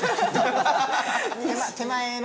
手前の。